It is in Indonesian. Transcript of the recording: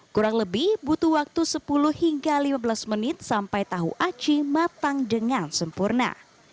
kurang lebih butuh waktu sepuluh hingga lima belas menit sampai tahu aci matang dengan sempurna